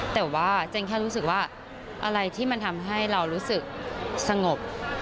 แต่ว่าเจนแค่รู้สึกว่าอะไรที่มันทำให้เรารู้สึกสงบ